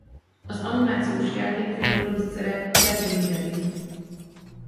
Az animációs játékfilm producere Kathleen Gavin.